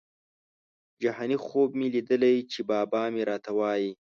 جهاني خوب مي لیدلی چي بابا مي راته وايی